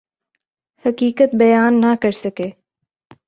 حقیقت بیان نہ کر سکے۔